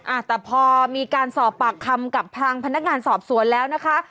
อ่าแต่พอมีการสอบปากคำกับทางพนักงานสอบสวนแล้วนะคะ